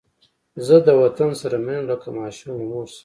زه د وطن سره مینه لرم لکه ماشوم له مور سره